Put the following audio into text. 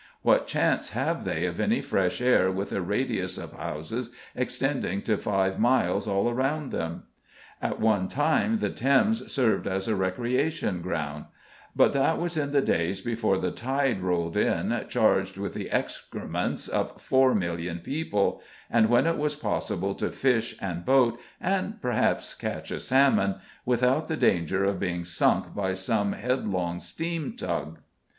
What chance have they of any fresh air with a radius of houses extending to five miles all round them? At one time the Thames served as a recreation ground, but that was in the days before the tide rolled in charged with the excrements of 4,000,000 people, and when it was possible to fish and boat, and perhaps catch a salmon, without the danger of being sunk by some headlong steam tug.